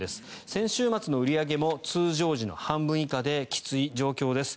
先週末の売り上げも通常時の半分以下できつい状況です。